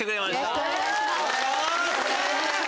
よろしくお願いします。